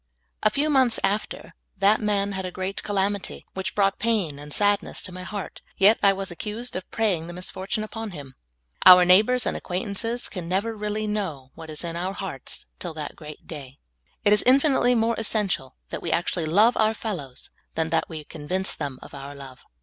A few months after, that man had a great calamity which brought pain and sadness to my heart ; yet I was accused of prajnng the misfortune upon him. Our neighbors and acquaintances can never reall}^ know what is in our hearts till that great day. It is infi nitely more essential that we actually love our fellows than that we convince them of our love.